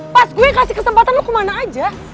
pas gue kasih kesempatan lu kemana aja